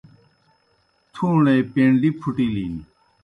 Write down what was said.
تُھوݨے پینڈِیْ پُھٹِلِن۔